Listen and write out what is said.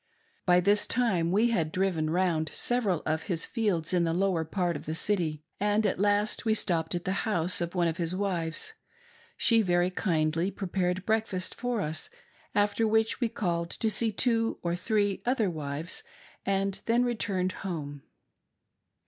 "Sty this time we had driven rbund several of his fields in the ■418 AN UNPLEASANT FACT, lower part of the City, and at last we stopped at the house of one of his wives. She very kindly prepared breakfast for us ; after which we called to see two or three other wives, and then returned home.